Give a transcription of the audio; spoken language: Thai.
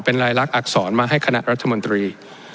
เป็นรายลักษณ์อักษรมาให้ขณะธุ์ราชดำรุนทรี